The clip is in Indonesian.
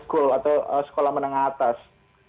mereka tinggal di sekolah menengah atas